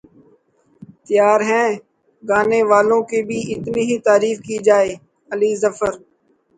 تیار ہیں گانے والوں کی بھی اتنی ہی تعریف کی جائے علی ظفر